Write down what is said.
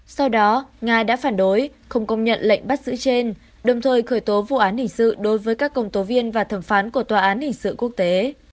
sau đó nga đã phản đối không công nhận lệnh bắt giữ trên đồng thời khởi tố vụ án hình sự đối với các công tố viên và thẩm phán của tòa án hình sự quốc tế